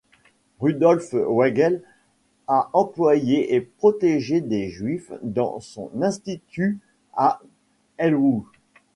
Rudolf Weigl a employé et protégé des Juifs dans son Institut à Lwów.